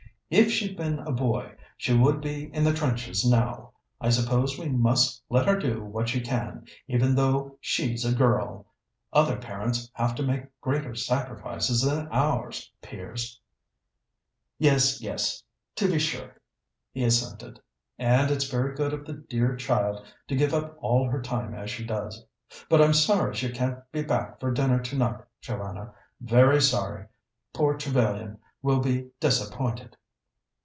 "If she'd been a boy she would be in the trenches now. I suppose we must let her do what she can, even though she's a girl. Other parents have to make greater sacrifices than ours, Piers." "Yes, yes, to be sure," he assented. "And it's very good of the dear child to give up all her time as she does. But I'm sorry she can't be back for dinner tonight, Joanna very sorry. Poor Trevellyan will be disappointed."